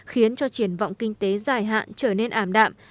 khiến cho triển vọng kinh tế dài hạn trở nên ảm đạm